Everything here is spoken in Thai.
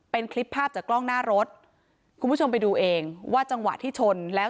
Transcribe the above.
เป็นคลิปภาพจากกล้องหน้ารถคุณผู้ชมไปดูเองว่าจังหวะที่ชนแล้ว